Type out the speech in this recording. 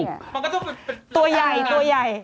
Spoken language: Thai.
มันก็ต้องเป็นตัวใหญ่